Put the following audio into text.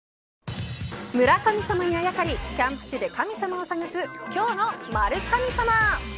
村神様にあやかりキャンプ地で神様を探す今日の○神様。